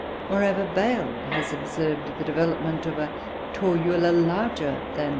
Moreover, Bail has observed the development of a Torula larger than _T.